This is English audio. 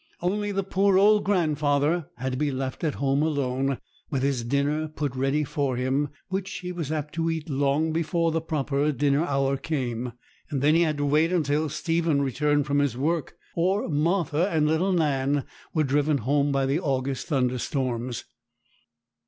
Only the poor old grandfather had to be left at home alone, with his dinner put ready for him, which he was apt to eat up long before the proper dinner hour came; and then he had to wait until Stephen returned from his work, or Martha and little Nan were driven home by the August thunderstorms.